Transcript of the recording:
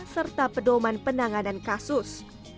serta pedoman penanganan kasus